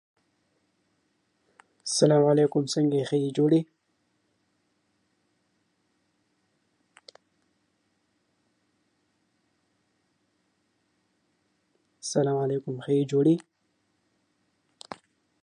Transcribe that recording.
اوښ د افغان ځوانانو لپاره دلچسپي لري.